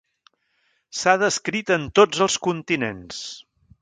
S'ha descrit en tots els continents.